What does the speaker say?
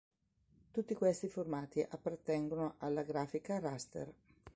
Tutti questi formati appartengono alla grafica "raster".